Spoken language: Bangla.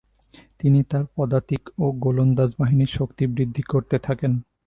তিনি তার পদাতিক ও গোলন্দাজ বাহিনীর শক্তি বৃদ্ধি করতে থাকেন।